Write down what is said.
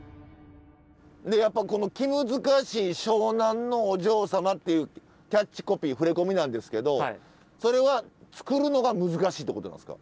でやっぱこの「気難しい湘南のお嬢さま！？」っていうキャッチコピー触れ込みなんですけどそれは作るのが難しいってことなんですか？